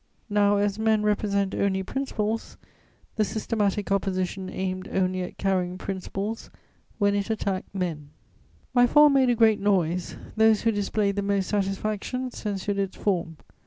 Now as men represent only principles, the systematic Opposition aimed only at carrying principles when it attacked men. [Sidenote: Effects of my fall.] My fall made a great noise: those who displayed the most satisfaction censured its form.